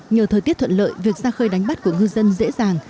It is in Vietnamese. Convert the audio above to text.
nhờ thời tiết thuận lợi việc ra khơi đánh bắt của ngư dân dễ dàng